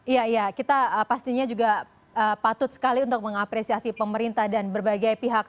iya iya kita pastinya juga patut sekali untuk mengapresiasi pemerintah dan berbagai pihak